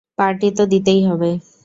Party তো দিতেই হবে।